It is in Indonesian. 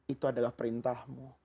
itu adalah perintahmu